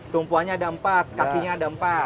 tumpuannya ada empat kakinya ada empat